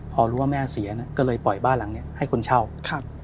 พอรู้ว่าแม่เสียเนี่ยก็เลยปล่อยบ้านหลังเนี้ยให้คนเช่าครับ